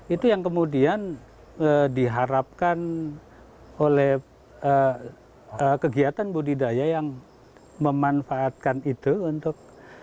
itu yang kemudian diharapkan oleh kegiatan budidaya yang memanfaatkan itu untuk